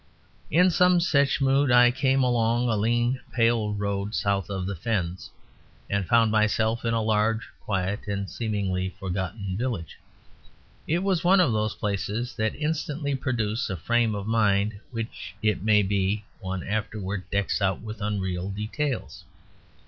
In some such mood I came along a lean, pale road south of the fens, and found myself in a large, quiet, and seemingly forgotten village. It was one of those places that instantly produce a frame of mind which, it may be, one afterwards decks out with unreal details.